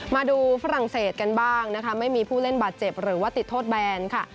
มาดูฝรั่งเศสกันบ้างนะคะไม่มีผู้เล่นบาดเจ็บหรือว่าติดโทษแบนค่ะ